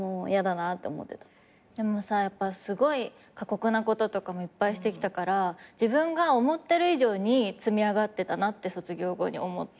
でもさやっぱすごい過酷なこととかもいっぱいしてきたから自分が思ってる以上に積み上がってたなって卒業後に思った。